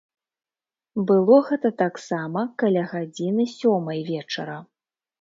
Было гэта таксама каля гадзіны сёмай вечара.